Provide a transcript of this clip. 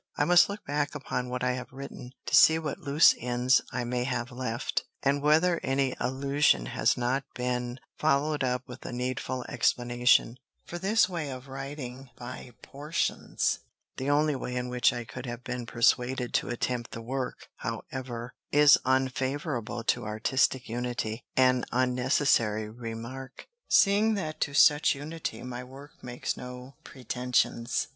I must look back upon what I have written, to see what loose ends I may have left, and whether any allusion has not been followed up with a needful explanation; for this way of writing by portions the only way in which I could have been persuaded to attempt the work, however is unfavorable to artistic unity; an unnecessary remark, seeing that to such unity my work makes no pretensions.